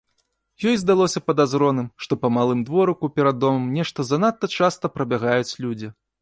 Ёй здалося падазроным, што па малым дворыку перад домам нешта занадта часта прабягаюць людзі.